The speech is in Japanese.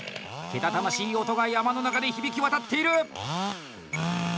けたたましい音が山の中で響き渡っている。